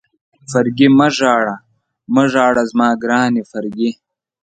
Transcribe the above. فرګي مه ژاړه، مه ژاړه زما ګرانې فرګي.